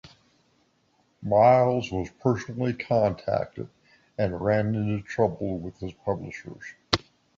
Miles was personally contacted and ran into trouble with his publishers.